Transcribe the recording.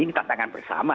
ini tantangan bersama